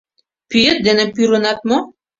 Пӱет дене пӱрынат мо?